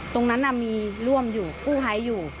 ตรงนั้นอ่ะมีร่วมอยู่กู้ไฮอยู่